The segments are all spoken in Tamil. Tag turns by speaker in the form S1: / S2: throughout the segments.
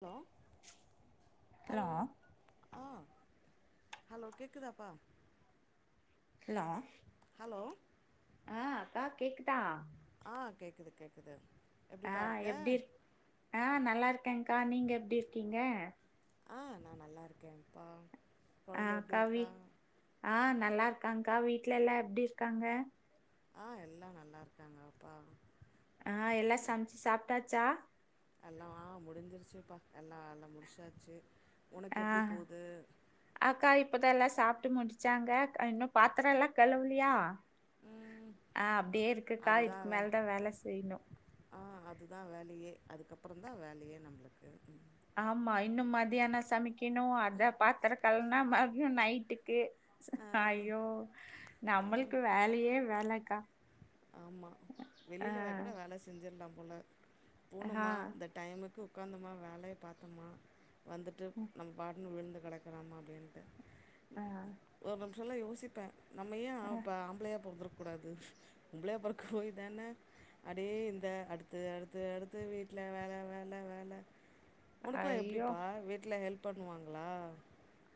S1: ஹலோ ஹலோ ஆ ஹலோ கேக்குதாப்பா
S2: ஹலோ
S1: ஹலோ
S2: ஆ அக்கா கேக்குதா
S1: ஆ கேக்குது கேக்குது
S2: ஆ
S1: எப்டிப்பா இருக்க
S2: எப்டி ஆ நல்லா இருக்கேங்க்கா நீங்க எப்டி இருக்கீங்க
S1: ஆ நா நல்லாருக்கேம்ப்பா
S2: அ அக்கா வீ ஆ நல்லா இருக்காங்க்கா வீட்ல எல்லா எப்டி இருக்காங்க
S1: ஆ எல்லா நல்லா இருக்காங்க வாப்பா
S2: ஆ எல்லா சமைச்சு சாப்ட்டாச்சா
S1: எல்லா முடிஞ்சிருச்சுப்பா எல்லா எல்லா முடிச்சாச்சு உனக்கு
S2: ஆ
S1: எப்டி போது
S2: அக்கா இப்பதா எல்லா சாப்ட்டு முடுச்சாங்க இன்னு பாத்தரல்லா கழுவுலயா
S1: ம்
S2: ஆ அப்டியே இருக்குக்கா
S1: அதுதா
S2: இதுக்கு
S1: வே
S2: மேலதா வேல செய்ணு
S1: ஆ அதுதா வேலயே அதுக்கப்புறந்தா வேலயே நம்பளுக்கு ம்
S2: ஆமா இன்னு மத்தியான சமைக்கணு அத பாத்திரக்கழுவுனா மதியு நைட்டுக்கு அய்யோ
S1: ஆ ஆ
S2: நம்மளுக்கு வேலயே வேலக்கா
S1: ஆமா வெளில வே கூட வேல செஞ்சிரலா போல போனோமா இந்த டைமுக்கு உக்காந்தமா வேலய பாத்தமா வந்துட்டு நம் பாட்டுன்னு விழுந்து கெடக் கறமா அப்டின்ட்டு ஒரு நிமிஷலா யோசிப்ப நம்ம ஏன் அப்ப ஆம்பளையா பொறந்துருக் கூடாது பொம்பளையா பொறக் போய் தான அடே இந்த அடுத்து அடுத்து அடுத்து வீட்ல வேல வேல வேல உனக்குலா
S2: ஐயோ!
S1: எப்டிப்பா வீட்ல ஹெல்ப் பண்ணுவாங்ளா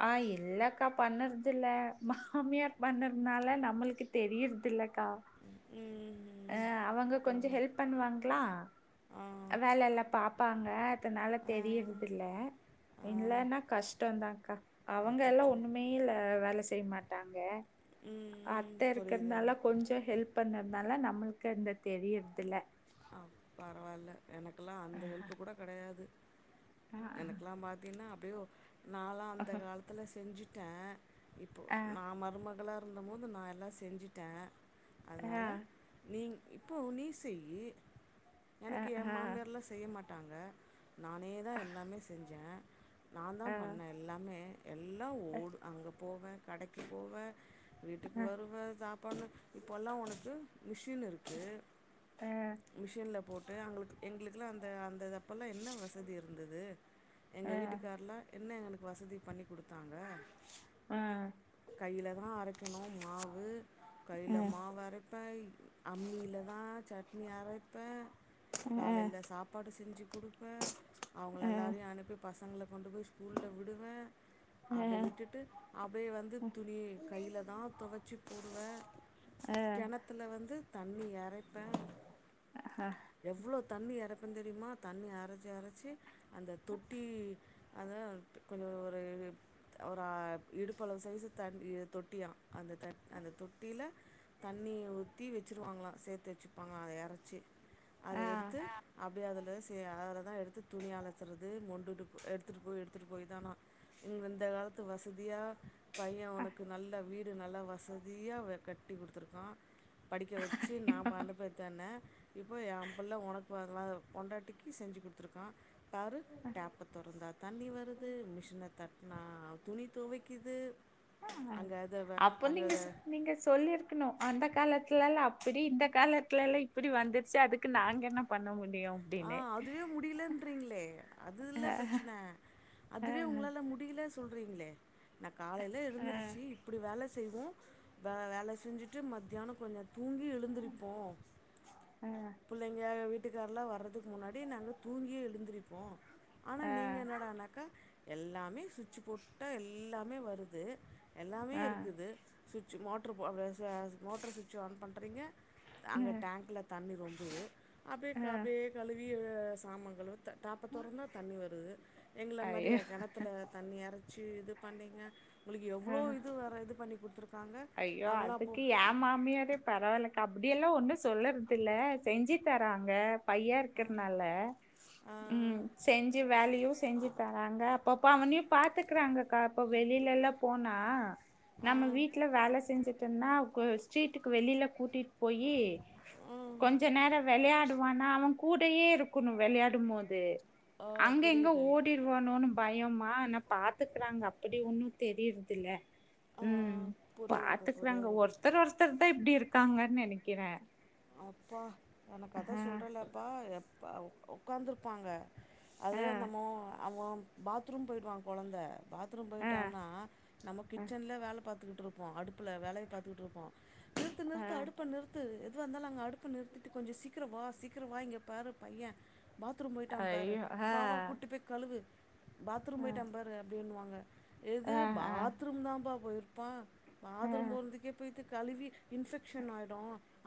S2: ஆ இல்லக்கா பண்ணர்தில்ல மாமியார் பண்ணர்துனால நம்மளுக்கு தெரியர்தில்லக்கா
S1: ம்
S2: அ அவங்க கொஞ்சோ
S1: பாரு
S2: ஹெல்ப் பண்ணுவாங்ளா
S1: ஆ
S2: வேலெல்லா பாப்பாங்க அதனால
S1: ஆ
S2: தெரியறதுல்ல
S1: ஆ
S2: இல்லனா கஷ்டந்தாக்கா அவங்க எல்லா
S1: அச்சோ
S2: ஒன்னுமே இல்ல வேல செய்ய மாட்டாங்க அத்த
S1: ம் புரியுது
S2: இருக்கறனால கொஞ்சோ ஹெல்ப் பண்ணனால நா அதுக்கண்ந்த தெரியறதுல்ல
S1: அ பரவால்ல எனக்குல்லா அந்த ஹெல்ப்பு கூட கெடையாது
S2: ஆ
S1: எனக்குல்லா ம்ம பாத்தீங்கன்னா அப்பயோ நாலா அந்த
S2: ஆ
S1: காலத்துல செஞ்சிட்ட இப்போ நா மருமகளா இருந்தமோது நா எல்லா செஞ்சுட்ட
S2: ஆ
S1: அதனால நீங் இப்போ நீ செய்யி
S2: ஆ
S1: எனக்கு என்
S2: ஆ
S1: மாமியார்லா செய்ய மாட்டாங்க நானே தா எல்லாமே செஞ்ச நா தா பண்ண எல்லாமே எல்லா ஓடு அங்க போவ கடைக்கு போவ வீட்டுக்கு வருவ சாப்பாடு இப்போல்லா உனக்கு மிஷினு இருக்கு
S2: அ
S1: மிஷின்ல போட்டு அவுங்களுக் எங்களுகெல்லா அந்த அந்த அப்போல்லா என்ன வசதி இருந்துது எங்க வீட்டுக்கார்ல்லா என்ன எங்களுக்கு வசதி பண்ணி கொடுத்தாங்க
S2: அ
S1: கையில தா அரைக்கணு மாவு கையில மாவு அரைப்ப அம்மியில தா சட்னி அரைப்ப காலையில சாப்பாடு செஞ்சு கொடுப்ப அவுங்கள எல்லாரையு அனுப்பி பசங்கள கொண்டு போய் ஸ்கூல்ல விடுவ அப்டே விட்டுட்டு அப்டே வந்து துணிய கையில தா துவச்சி போடுவ
S2: அ
S1: கெணத்துல வந்து தண்ணி எரைப்ப
S2: அஹ
S1: எவ்ளோ தண்ணி எரப்பன் தெரியுமா தண்ணி எரைச்சு எரைச்சு அந்த தொட்டி அதா கொஞ்சோ ஒரு இது ஒரு அ இடுப்பளவு சைசு தண்ணி தொட்டியா அந்த த அந்த தொட்டியில தண்ணிய ஊத்தி வச்சிருவாங்களா சேத்து வச்சுப்பாங்களி அத எரச்சி அத எடுத்து அப் டே அதுல சே அதுலதா எடுத்து துணி அலசறது மொண்டுட்டு போ எடுத்துட்டு போய் எடுத்துட்டு போய் தானா இந்த காலத்து வசதியா பைய உனக்கு நல்ல வீடு நல்லா வசதியா வ கட்டி குடுத்துருக்கா படிக்க வச்சு நாம அனுப்ப ன இப்போ எம்புள்ள உனக்கு பதிலா பொண்டாட்டிக்கு செஞ்சு குத்துருக்கா பாரு டேப்ப தொறந்தா தண்ணி வருது மிஷின தட் னா துணி தொவைக்குது
S2: அ அப்ப நீங்க சொ நீங்க சொல்லிரு க்கணு அந்த காலத்லலா அப்பிடி இந்த காலத்லலா இப்பிடி வந்துருச்சு அதுக்கு நாங்க என்ன பண்ண முடியு
S1: ஆ
S2: அப்டின்னு
S1: அதுவே முடியலன்றீங்ளே அதுல்ல பிரச்சன அதுவே உங்களால முடில சொல்றீங்ளே நா காலைல எழுந்துருச்சு இப்புடி வேல செய்வோ வே வேல செஞ்சுட்டு மத்யானோ கொஞ்சோ தூங்கி எழு எழுந்திருப்போ புள்ளைங்க வீட்டுக்கார்லா வர்ற துக்கு முன்னாடியே நாங்க தூங்கியே எழுந்திருப்போ ஆனா நீங்க என்னடானாக்கா எல்லாமே சுட்சு போட்டா எல்லாமே வருது எல்லாமே இருக்குது சுட்சு மோட்ரு போர்ற ச மோட்ரு சுட்சு ஆன் பண்றீங்க அங்க டேங்க்ல தண்ணி ரொம்புது அப்டியே க அப்டியே கழுவிய சாமாங் கழுவு த டேப்ப தொறந்தா தண்ணி வருது எங்கள மாரியா
S2: ஐயோ
S1: கெணத்துல தண்ணி எறச்சு இது பண்ணிங்க உங்களுக்கு எவ்ளோ இது வேர இது பண்ணி குடுத்துருக்காங்க
S2: அய்யோ அதுக்கு எ மாமியாரே பரவால்லக்கா அப்டியெல்லா ஒன்னு சொல்லறதில்ல செஞ்சு தர்றாங்க பையா இருக்கற்னால
S1: ஆ
S2: ம் செஞ்சு வேலையு செஞ்சு தராங்க அப்பப்போ அவனையு பாத்துக்கறாங்கக்கா இப்போ வெளிலலா போனா
S1: ஆ
S2: நம்ம வீட்ல வேல செஞ்சுட்டனா கொ ஸ்ட்ரீட்டுக்கு வெளில கூட்டிட் போயி
S1: ஆ
S2: கொஞ்ச நேர வெளயாடுவானா அவ கூடயே இருக்குணு வெளையாடும் மோது
S1: ஆ
S2: அங்க இங்க
S1: புரியுது
S2: ஓடி ருவானோனு பயமா ந பாத்துக்றாங்க அப்படி ஒன்னுந் தெரியற்தில்ல
S1: ஆ
S2: ம்
S1: புரியுறது
S2: பாத்துக்றாங்க
S1: புரியுறது
S2: ஒர்த்தர் ஒருத்தர் தா இப்டி இருக்காங்கன் நெனைக்கிறே
S1: அப்பா எனக்கத
S2: ஆ
S1: சொல்றேலப்பா எப்பா ஒ ஒக்காந்துருப்பாங்க அது
S2: ஆ
S1: என்னம்மோ அவ பாத்ரூம் போய்டுவ கொழந்த பாத்ரூம்
S2: ஆ
S1: போயிட்டானா நம்ம
S2: அ
S1: கிச்சன்ல வேல பாத் துட்ருப்போ அடுப்புல வேலய பாத்துக்ட்ருப்போ நிற்த்து
S2: ஆ
S1: நிற்த்து அடுப்ப நிற்த்து எ துவாந்தாலு அங்க அடுப்ப நிற்த்திட்டு கொஞ்சோ சீக்கிர வா சீக்கிர வா இங்க பாரு பைய பாத்ரூம் போய்ட்டா பாரு
S2: ஐயோ ஆ
S1: வா வா கூட்டி போய் கழுவு பாத்ரூம்
S2: ஆ
S1: போயிட்டா பாரு அப்டின்னு வாங்க எது
S2: ஆ ஆ
S1: பாத்ரூம் தாம்ப்பா போய்ருப்பா
S2: ஆ ஆ
S1: பாத்ரூம் போறதுக்கே போய்ட்டு கழுவி இன்ஃபெக்ஷன் ஆய்டு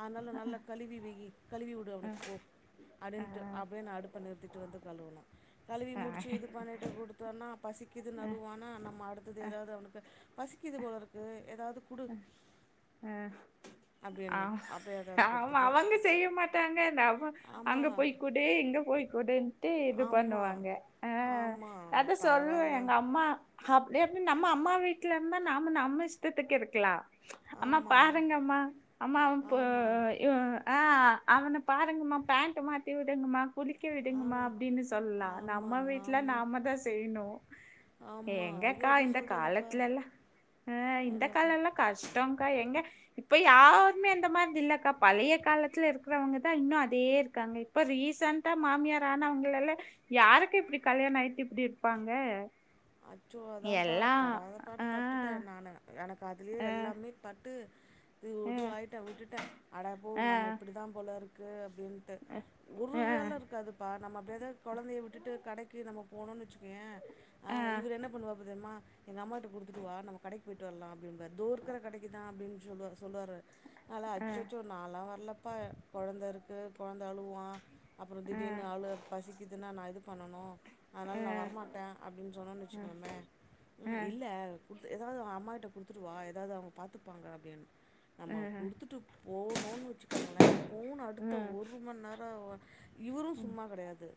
S1: அதனால்ல நல்ல கழுவி வெயி கழுவிவுடு அவனுக்கு போ அப்டின்ட்டு
S2: ஆ
S1: அப்டியே நா அடுப்ப நிறுத்திட்டு வந்து கழுவணு கழுவி
S2: ஆ
S1: முடிச்சு இது பண்ணிட்டு குடுத் தோன்னா பசிக்குதுன் அழுவானா நம்ம அடுத்தது
S2: ஆ
S1: எதாவது அவனுக்கு பசிக்குது போலருக்கு எதாவது
S2: அ
S1: அப்படின்னும்
S2: ஆவ்
S1: அப்படியே ஏதாவது
S2: ஆமா
S1: கொடுத்துட்டு
S2: அவங்க செய்ய மாட்டாங்க நம அங்க
S1: ஆமாம்
S2: போய் குடு இங்க போய் குடுன் ட்டு இது
S1: ஆமாம்
S2: பண்ணுவாங்க அ
S1: ஆமாம்
S2: அத சொல்லுவே
S1: பரவாயில்ல
S2: எங்க அம்மா அப்டி எப்டி நம்ம அம்மா வீட்ல இருந்தா நாம நம்ம இஷ்டத்துக்கு இருக்லா அம்மா
S1: ஆமாம்
S2: பாருங்கம்மா அம்மா போ
S1: ஆமாம்
S2: இவ் ஆ அவன பாருங்ம்மா பேண்ட்டு மாத்தி விடுங்கம்மா குளிக்க விடுங்ம்மா
S1: ஆமா
S2: அப்டினு சொல்லலா
S1: ஆமா
S2: நம்ம வீட்ல
S1: ஆமா
S2: நாம தா செய்ணு
S1: ஆமா ஐயோ
S2: ஏங்கக்கா
S1: அதான்
S2: இந்த
S1: சொல்றேன்லப்பா
S2: காலத்ல எல்லா அ இந்த
S1: என்னப்பா
S2: கஷ்டோங்க்கா எங்க இப்ப யாருமே அந்த மாதி இல்லக்கா பழைய காலத்துல இருக்றவங்கதா இன்னு அதே இருக்காங்க இப்ப ரீசண்ட்டா மாமியார் ஆனவங்களெல்ல யாருக்கு இப்டி கல்யாண ஆயிட் இப்டி இர்ப்பாங்க
S1: அச்சோ அதாப்பா படாத பாடு
S2: ஆ,
S1: பட்டுட்டே நானு எனக்கு அதுலேயே
S2: ஆ,
S1: எல்லாமே பட்டு இது
S2: ஆ,
S1: இது வாய்ட்டே விட்டுட்டே அடப்போ
S2: ஆ, ஆ,
S1: நம்ம இப்டி தா போல இருக்கு அப்டின் ட்டு ஒரு
S2: ஆ,
S1: வேல இருக்காது இப்ப நம்ம பிரதர் கொழந்தைய விட்டுட்டு கடைக்கு நம்ப போனோ வச்சுக்கோயே ஆ இவரு என்ன பண்ணுவாப் தெரியுமா எங்க அம்மாட்ட குடுத்துட்டுவா நம்ம கடைக்கு போயிட்டு வர்லா அப்டின்பாரு இதோருக்க கடைக்குதா அப்டின் சொல் சொல்லுவாரு நாலா
S2: ஆ, ஆ,
S1: அச்சச்சோ நாலா வரலப்பா கொழந்த இருக்கு கொழந்த அழுவ்வா அப்பற திடீர்னு அழு பசிக்குதுன்னா நா இது பண்ணணு அதனால
S2: ஆ,
S1: நா வரமாட்டே சொன்னோன் வச்சுக்கோமே ம் இல்ல [unintelligible] ஏதாவது அம்மாட்ட குடுத்துட்டுவா ஏதாவது அவுங்க பாத்துப்பாங்க அப்டின்னு நம்ம குடுத்துட்டு போனோ வச்சுக்கங்ளே போன அடுத்த ஒரு மண் நேர வ இவுரு சும்மா கெடையாது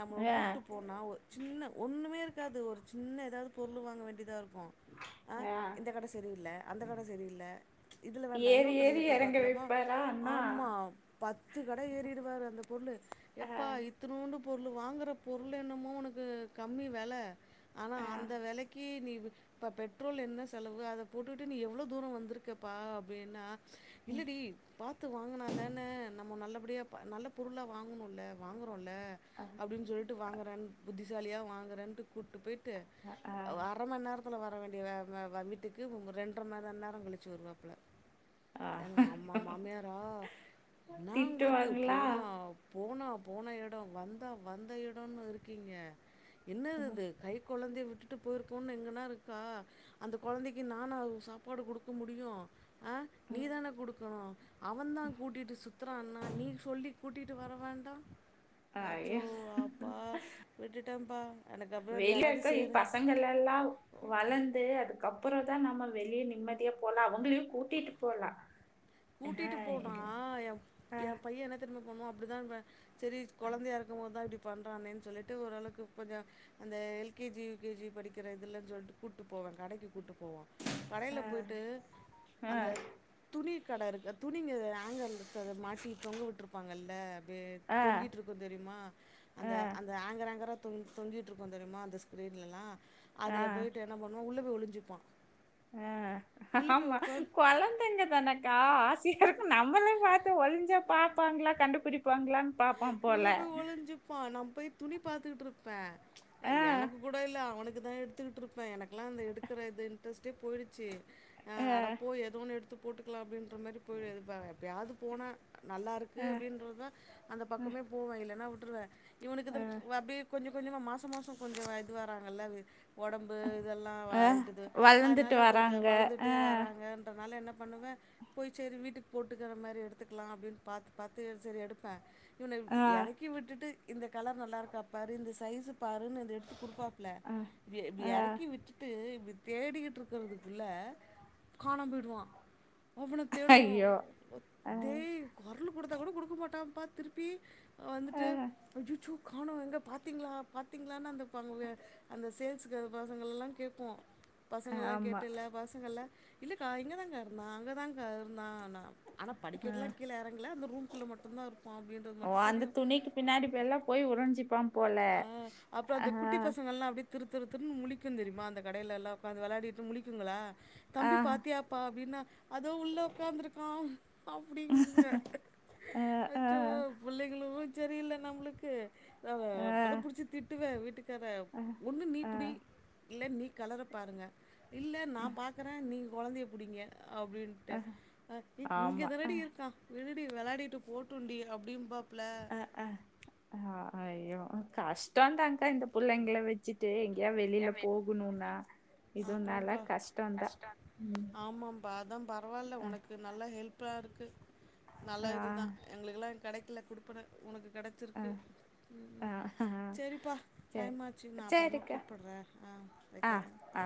S1: நம்மள
S2: ஆ,
S1: கூட்டு போனா ஒ சின்ன ஒன்னுமே இருக் க்காது ஒரு சின்ன ஏதாவது பொருளு வாங்க வேண்டியதா இருக்கு
S2: அ
S1: இந்த கட செரியில்ல அந்த கட செரியில்ல இதுல வேண்டா
S2: ஏறி
S1: இன்னொரு
S2: ஏறி
S1: கடைல போய்
S2: இறங்க
S1: பாக்லாமா
S2: வைப்பாரா அண்ணா
S1: ஆம்மா பத்து கட ஏறிடுவாரு அந்த பொண்ணு
S2: ஆ,
S1: ஏப்பா இத் இத்துணூண்டு பொருளு வாங்குற பொருள் என்னமோ உனக்கு கம்மி வெல ஆனா
S2: ஆ,
S1: அந்த வெலைக்கி நீ இப்ப பெட்ரோல் என்ன செலவு அத போட்டுட்டு நீ எவ்ளோ தூர வந்திருக்கப்பா அப்டின்னா இல்லடி பாத்து வாங்குனா தான நம்ம நல்லபடியா ப நல்ல பொருளா வாங்கணுல்ல வாங்கறோல்ல
S2: அது
S1: அப்டின் சொல்ட்டு வாங்கறேன் புத்திசாலியா வாங்கறன்ட்டு கூப்ட்டு போய்ட்டு
S2: ஆ,
S1: ஓ அர மண் நேர த்துல வர வேண்டிய வே வே வீட்டுக்கு உங்க ரெண்ர மண் ரெண் நேரங்கழிச்சு வருவாப்ல
S2: ஆ.
S1: எங் அம்மா மாமியாரா இன்னா உங்குளுக்கு
S2: திட்டுவாங்களா
S1: போனா போனா போன எடோ வந்தா வந்த எடோனுருக்கீங்க என்னதிது
S2: ம்ஹும்.
S1: கை கொழந்தைய விட்டுட்டு போய்ருக்கோன் எங்கனா இருக்கா அந்த கொழந்தைக்கி நானா உ சாப்பாடு குடுக்க முடியு ஆ நீ
S2: ம்.
S1: தான குடுக்கணு அவந்தா கூட்டிட்டு சுத்தறான்னா நீ சொல்லி கூட்டிட் டு வர வேண்டா
S2: ஐயோ
S1: அச்சோ அப்பா விட்டுட்டம்ப்பா
S2: வெள்ல இருக்கற இ பசங்களெல்லா வளந்து அதுக்கப்பறந்தா நம்ம வெளிய நிம்மதியா போலா அவுங்களையு கூட்டிட்டு போலா
S1: கூட்டிட்டு போனா எ ஏ
S2: ஆஹ்,
S1: பைய என்ன தெரிய்மா பண்ணுவா அப்டிதா இவ செரி கொழந்தையா இருக்கும்போத் தா இப்பிடி பண்றானேன் சொல்லிட்டு ஓரளவுக்கு கொஞ்ச அந்த L K G, U K G படிக்கிற இதுலன் சொல்ட்டு கூட்டு போவே கடைக்கு கூட்டு போவோ கடைல
S2: ஆஹ்,
S1: போய்ட்டு அந்த
S2: ஆஹ்,
S1: துணி கட இருக்கு துணிங்க ஆங்கர்ல த அத மாட்டி தொங்க உட்ருப்பாங்கல்ல அப்டியே
S2: ஆஹ்,
S1: தொங்கிட்ருக்கு தெரிய்மா அந்த
S2: ஆஹ்,
S1: அந்த ஆங்கர் ஆங்கரா தொங் தொங்கிட்ருக்கு தெரிய்மா அந்த ஸ்க்ரீன்லல்லா அதுல
S2: ஆஹ்,
S1: போய்ட்டு என்ன பண்வா உள்ள போய் ஒளிஞ்சிப்பா
S2: ஆ ஆமா கொழந்தைங்க தான க்கா ஆசையா இருக்கு நம்மளே பாத்து ஒளிஞ்சா பாப்பாங்ளா கண்டுபிடிப்பாங்ளான் பாப்பா போல
S1: பா நா போய் துணி பாத்துக்கிட்ருப்பே எ
S2: ஆஹ்,
S1: எனக்கு கூட இல்ல அவனுக்குதா எடுத் துகிட்ருப்பே எனக்குல்லா அந்த எடுக்குற இது இன்ட்ரெஸ்ட்டே போயிடுச்சி அ
S2: ஆஹ்,
S1: அடப்போ எதோ ஒன்னு எடுத்து போட்டு க்கலா அப்டின்ற மாரி போயி இது பா எப்பயாவ்து போனா நல்லாருக்கு
S2: ஆஹ்,
S1: அப்டின்றத் தா அந்த பக்கமே போவே இல்லனா உட்ருவே இவனுக்குதா
S2: ஆஹ்,
S1: வ அப்டியே கொஞ்ச கொஞ்சமா மாச மாசோ கொஞ்ச இது வராங்கல்ல அது ஒடம்பு இதெல்லா
S2: ஆஹ்.
S1: வாய்ட்டுது
S2: வளர்ந்துட்டு
S1: அதுனால போட்டு
S2: வராங்க
S1: வள்ந்துட்டே
S2: ஆஹ்,
S1: வராங்க அதுனால என்ன பண்ணுவே போய் செரி வீட்டுக் போட்டுக்கிற மாரி எடுத்துக்லா அப்டின் பாத்து பாத்து எத் செரி எடுப்பே இவன
S2: ஆஹ்,
S1: எறக்கி விட்டுட்டு இந்த கலர் நல்லாருக்கா பாரு இந்த சைஸ்சு பாருன்னு இது எடுத்து குடுப்பாப்ல
S2: ஆஹ்,
S1: இப்டே இப்டி
S2: ஆஹ்.
S1: எறக்கி விட்டுட் டு இப்டி தேடிகிட்ருக்கறதுக்குள்ள காணாம் போயிடுவா அவன தேடுவோ
S2: ஐயோ ஆஹ்,
S1: டே கொரலு குடுத்தா கூட குடுக்க மாட்டான்ப்பா திருப் பி அ வந்துட்டு
S2: ஆஹ்.
S1: அச்சுச்சோ காணோ எங்க பாத்தீங்ளா பாத்தீங்ளானு அந்த பங் எ அந்த சேல்ஸு கேள், பசங்கெல்லா கேப்போ பசங்கல்லா
S2: ஆமா
S1: கேட்டு இல்ல பசங்கள்ல இல்லக்கா இங்கதாங்க்கா இருந்தா அங்கதாங்க்கா இருந்தானா ஆனா
S2: ஆஹ்.
S1: படிக்கட்லா கீழ எறங்கல அந்த ரூம்க்குள்ள மட்டுந்தா இருப்பா அப்டின்
S2: ஓ அந்த துணிக்கி பின்னாடி போ எல்லா போய் ஒளிஞ்சிப்பா
S1: ஆ அப்றோ அந்த குட்டி பசங்கல்லா அப்டே திரு திரு திருன் முழிக்கு தெரிய்மா அந்த கடைலல்லா ஒக்காந்து வெளாடிட்டு முழிக்குங்களா
S2: ஆ
S1: தம்பி பாத்தியாப்பா அப்டின்னா அதோ உள்ள ஒக்காந்துருக்கா அப்டிங்குங்க
S2: ஆ ஆ
S1: அச்சோ புள்ளைகளு செரியில்ல நம்ளுக்கு
S2: ஆ
S1: அதா புடிச்சி திட்டுவே வீட்டுக்கார
S2: ஆ
S1: ஒன்னு நீ
S2: ஆ
S1: புடி இல்ல நீ கலர பாருங்க இல்ல நா பாக்கறே நீங்க கொழந்தைய புடிங்க அப்டின் ட்டு
S2: ஆ
S1: அ ஏய் இங்க
S2: ஆமா ஆ
S1: தானடி இருக்கா விடுடி வெளாடிட்டு போட்டுண்டி அப்டிம்பாப்ல
S2: அ அ அ ஐயோ கஷ்டோ தான்க்கா இந்த புள்ளைங்கள வச்சி ட்டு எங்கயா வெளில போகணுன்னா
S1: ஆபாப்பா
S2: ம்
S1: ஆமாம்பா அதா பரவால்ல
S2: ஆ
S1: ஒனக்கு நல்லா ஹெல்ப்பா இருக்கு நல்ல
S2: ஆ
S1: இது தான் எங்களுக்குலா கெடைக்கல குடுப்பன உனக்கு கெட
S2: ஆ
S1: ச்சிருக்கு
S2: ஆ
S1: ம்
S2: ஆ
S1: செரிப்பா
S2: சரி
S1: டைமாச்சு நா அப்பறமா
S2: சரிக்கா
S1: கூப்பட்றே ஆ
S2: ஆ
S1: வெக்கிறே
S2: ஆ